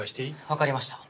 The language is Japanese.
分かりました。